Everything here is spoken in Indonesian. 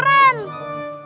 super duper keren